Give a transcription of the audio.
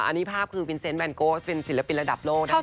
อันนี้ภาพคือวินเซนต์แวนโกะเป็นศิลปินระดับโลกนะครับผู้ชม